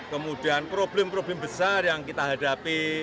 kemudian problem problem besar yang kita hadapi